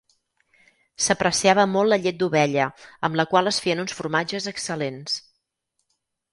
S'apreciava molt la llet d'ovella, amb la qual es feien uns formatges excel·lents.